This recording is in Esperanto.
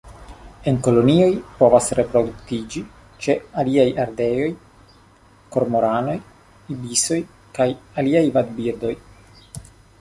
En kolonioj povas reproduktiĝi ĉe aliaj ardeoj, kormoranoj, ibisoj kaj aliaj vadbirdoj.